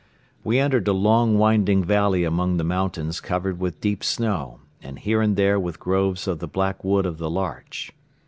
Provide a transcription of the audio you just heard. We entered a long, winding valley among the mountains covered with deep snow and here and there with groves of the black wood of the larch.